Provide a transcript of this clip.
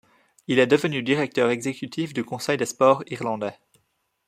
Il est devenu directeur exécutif du Conseil des Sports irlandais.